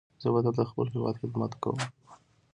زه به تل د خپل هیواد خدمت کوم.